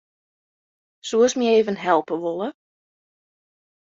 Soest my even helpe wolle?